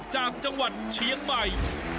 จากจังหวัดเชียงใหม่